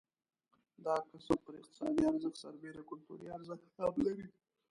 دا کسب پر اقتصادي ارزښت سربېره کلتوري ارزښت هم لري.